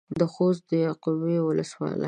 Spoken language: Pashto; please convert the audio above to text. د خوست د يعقوبيو ولسوالۍ.